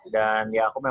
dan ya aku memang